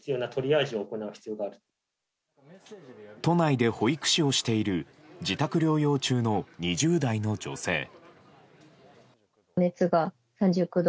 都内で保育士をしている自宅療養中の２０代の女性。